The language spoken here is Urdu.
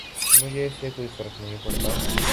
مجھے اس سے کوئی فرق نہیں پڑتا